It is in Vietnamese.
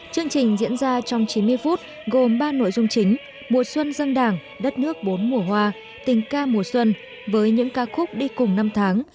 chương trình diễn ra trong chín mươi phút gồm ba nội dung chính mùa xuân dân đảng đất nước bốn mùa hoa tình ca mùa xuân với những ca khúc đi cùng năm tháng